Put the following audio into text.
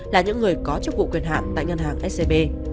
là những người có chức vụ quyền hạn tại ngân hàng scb